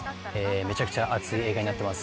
めちゃくちゃ熱い映画になってます